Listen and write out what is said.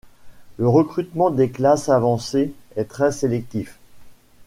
Le recrutement des classes avancées est très sélectif.